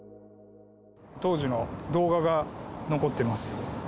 当時の動画が残っています。